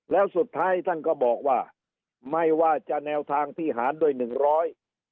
แล้วสุดท้ายท่านก็บอกว่าไม่ว่าจะแนวทางที่หารด้วยหนึ่งร้อย